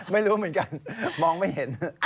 ไม่รู้เหมือนกันมองไม่เห็น